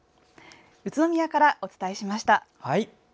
宇都宮からお伝えしました。